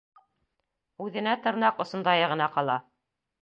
Үҙенә тырнаҡ осондайы ғына ҡала.